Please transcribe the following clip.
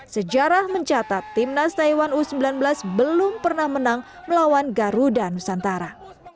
sejarah mencatat timnas taiwan u sembilan belas belum pernah menang melawan garuda nusantara